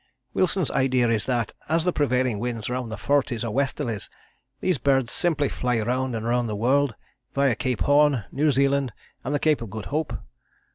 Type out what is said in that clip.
Wilson's idea is that, as the prevailing winds round the forties are Westerlies, these birds simply fly round and round the world via Cape Horn, New Zealand and the Cape of Good Hope.